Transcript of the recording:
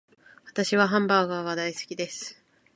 私はハンバーガーが大好きです